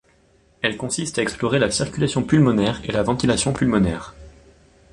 Elle consiste à explorer la circulation pulmonaire et la ventilation pulmonaire.